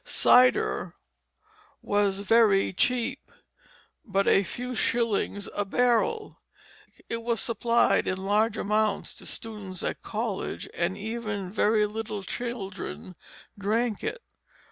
Cider was very cheap; but a few shillings a barrel. It was supplied in large amounts to students at college, and even very little children drank it.